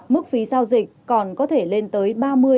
mức phí giao dịch còn có thể lên tới ba mươi ba mươi năm